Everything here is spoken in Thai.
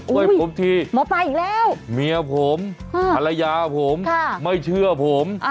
ช่วยผมที่เมียผมภรรยาผมไม่เชื่อผม